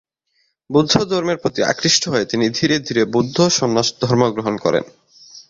বৌদ্ধ ধর্মের প্রতি আকৃষ্ট হয়ে তিনি ধীরে ধীরে বৌদ্ধ সন্ন্যাস ধর্ম গ্রহণ করেন।